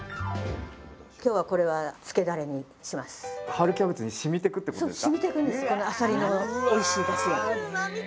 春キャベツにしみてくってことですか？